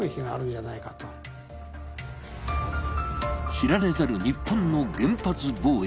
知られざる日本の原発防衛。